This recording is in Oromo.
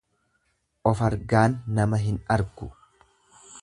Ofargaan nama hin argu.